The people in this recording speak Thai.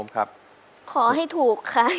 ขอให้ถูกค่ะ